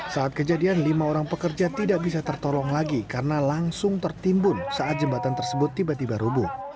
saat kejadian lima orang pekerja tidak bisa tertolong lagi karena langsung tertimbun saat jembatan tersebut tiba tiba rubuh